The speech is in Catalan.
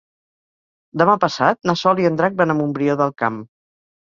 Demà passat na Sol i en Drac van a Montbrió del Camp.